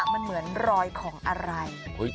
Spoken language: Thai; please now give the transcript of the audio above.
มันเหมือนรอยของอะไร